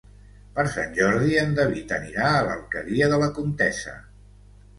Per Sant Jordi en David anirà a l'Alqueria de la Comtessa.